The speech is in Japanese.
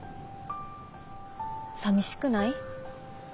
さみしくない？